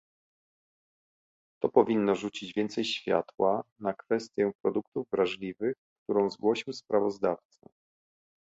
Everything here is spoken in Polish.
To powinno rzucić więcej światła na kwestię produktów wrażliwych, którą zgłosił sprawozdawca